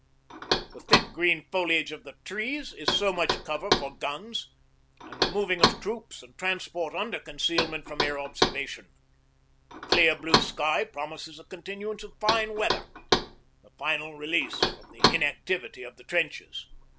The thick green foliage of the trees is so much cover for guns and the moving of troops and transport under concealment from air observation; the clear, blue sky promises the continuance of fine weather, the final release from the inactivity of the trenches.